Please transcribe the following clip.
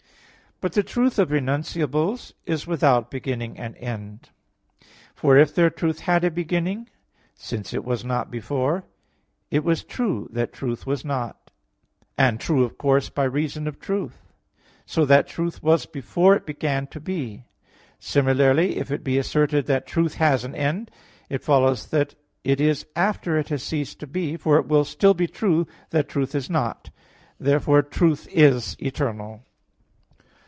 But the truth of enunciables is without beginning and end; for if their truth had a beginning, since it was not before, it was true that truth was not, and true, of course, by reason of truth; so that truth was before it began to be. Similarly, if it be asserted that truth has an end, it follows that it is after it has ceased to be, for it will still be true that truth is not. Therefore truth is eternal.